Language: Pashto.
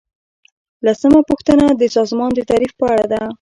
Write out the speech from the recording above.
لسمه پوښتنه د سازمان د تعریف په اړه ده.